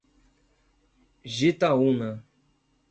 Jitaúna